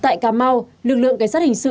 tại cà mau lực lượng cảnh sát hình sự